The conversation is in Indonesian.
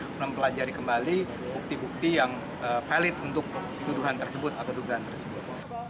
mempelajari kembali bukti bukti yang valid untuk tuduhan tersebut atau dugaan tersebut